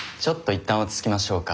いったん落ち着きましょうか。